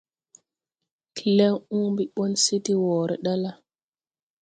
Klew oobe ɓɔn se de wɔɔre ɗa la,